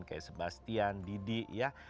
kayak sebastian didi